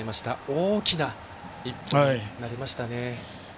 大きな一歩になりましたね。